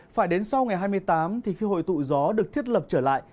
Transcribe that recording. phải đến sau ngày hai mươi tám thì khi hội tụ gió được thiết lập trở lại